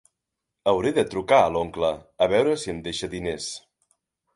Hauré de trucar a l'oncle, a veure si em deixa diners.